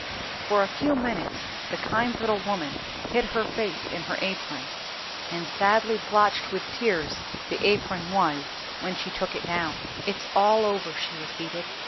For a few minutes the kind little woman hid her face in her apron, and sadly blotched with tears the apron was when she took it down. "It's all over," she repeated.